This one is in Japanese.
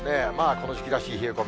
この時期らしい冷え込み。